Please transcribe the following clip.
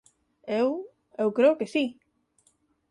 Eu… Eu creo que si.